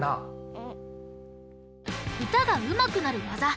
うん。